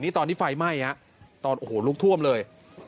นี่ตอนที่ไฟไหม้ฮะตอนโอ้โหลุกท่วมเลย